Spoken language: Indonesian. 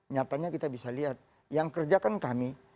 nyatanya kita bisa lihat yang kerjakan kami